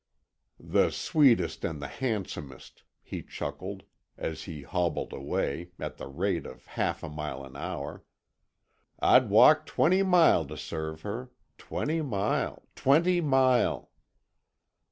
"The sweetest and the handsomest!" he chuckled, as he hobbled away, at the rate of half a mile an hour. "I'd walk twenty mile to serve her twenty mile twenty mile!"